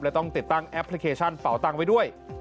และต้องติดตั้งแอปพลิเคชันเป่าตังค์ไว้ด้วย